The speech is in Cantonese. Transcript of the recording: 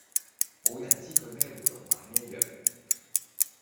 無人知佢咩葫蘆賣咩藥